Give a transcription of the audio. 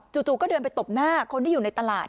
จู่ก็เดินไปตบหน้าคนที่อยู่ในตลาด